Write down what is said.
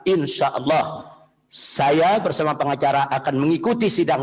insya allah saya bersama pengacara akan mengikuti sidang